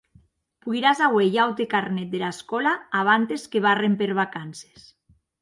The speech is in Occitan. Poiràs auer un aute carnet dera escòla abantes que barren per vacances.